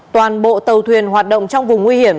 toàn bộ tàu thuyền hoạt động trong vùng nguy hiểm